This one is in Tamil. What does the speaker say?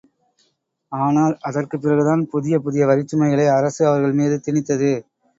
ஆனால், அதற்குப்பிறகுதான் புதிய புதிய வரிச் சுமைகளை அரசு அவர்கள் மீது திணித்தது.